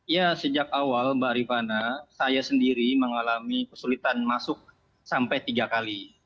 ya sejak awal mbak rifana saya sendiri mengalami kesulitan masuk sampai tiga kali